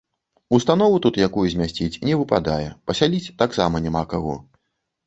Установу тут якую змясціць не выпадае, пасяліць таксама няма каго.